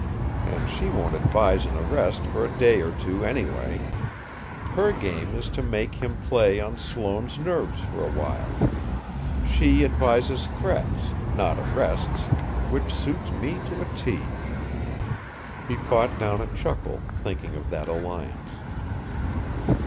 And she won't advise an arrest for a day or two anyway. Her game is to make him play on Sloane's nerves for a while. She advises threats, not arrests which suits me, to a T!" He fought down a chuckle, thinking of that alliance.